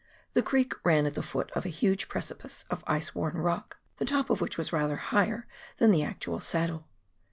The creek ran at the foot of a huge KARANGAEUA EIVER. 213 preclj)ice of ice worn rock, the top of whicli was rather higher than the actual saddle.